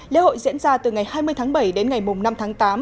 lễ hội diễn ra từ ngày hai mươi tháng bảy đến ngày năm tháng tám